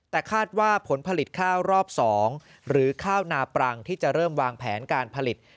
แต่คาดว่าผลผลิตข้าวรอบ๒หรือข้าวนาปรังที่จะเริ่มวางแผนการผลิต